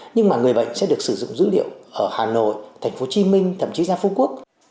nhưng mà người bệnh sẽ được sử dụng dữ liệu ở hà nội tp hcm thậm chí ra phú quốc